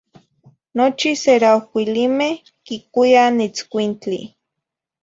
Nochi ceraocuilimeh quicuiah nitzcuintli.